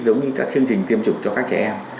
giống như các chương trình tiêm chủng cho các trẻ em